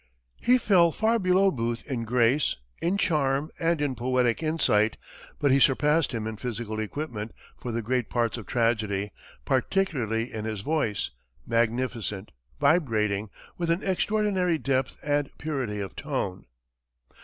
He fell far below Booth in grace, in charm, and in poetic insight, but he surpassed him in physical equipment for the great parts of tragedy, particularly in his voice, magnificent, vibrating, with an extraordinary depth and purity of tone.